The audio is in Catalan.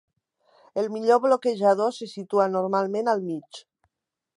El millor bloquejador se situa normalment al mig.